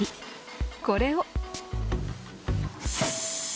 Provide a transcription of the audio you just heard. これを。